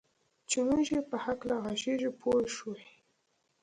چې موږ یې په هکله ږغېږو پوه شوې!.